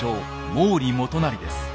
・毛利元就です。